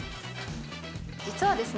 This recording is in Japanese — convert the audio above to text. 実はですね